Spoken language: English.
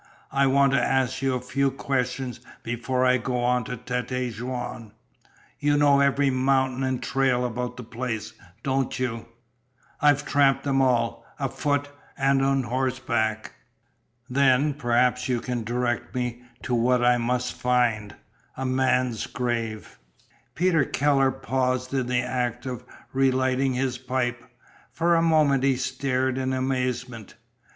I want to ask you a few questions before I go on to Tête Jaune. You know every mountain and trail about the place, don't you?" "I've tramped them all, afoot and horseback." "Then perhaps you can direct me to what I must find a man's grave." Peter Keller paused in the act of relighting his pipe. For a moment he stared in amazement.